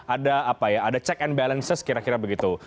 ada apa ya ada check and balances kira kira begitu